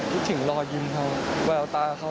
ถึงรอยยิ้มเขาแววตาเขา